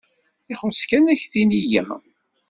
Ixuṣṣ kan ad k-tini yya.